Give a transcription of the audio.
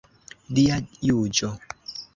Dia juĝo.